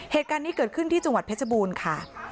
เหตุการณ์นี้เกิดขึ้นที่จังหวัดเพชรบูรณ์ค่ะ